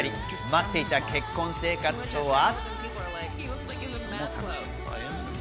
待っていた結婚生活とは。